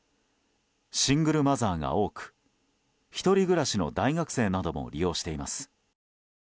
シングルマザーが多く１人暮らしの大学生なども利用しています。